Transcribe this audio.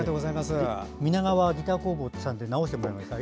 ギター工房さんで直してもらいました。